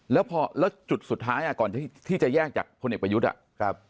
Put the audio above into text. แล้วพอแล้วจุดสุดท้ายก่อนที่จะแยกจากพลเอกประยุทธ์